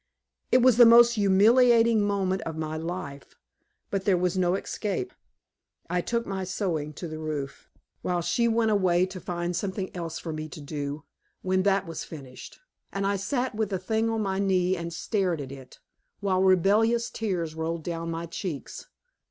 It was the most humiliating moment of my life, but there was no escape. I took my sewing to the roof, while she went away to find something else for me to do when that was finished, and I sat with the thing on my knee and stared at it, while rebellious tears rolled down my cheeks.